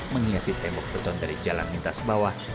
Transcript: menghiasi tembok beton dari jalan lintas bawah